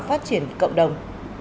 phát triển cộng đồng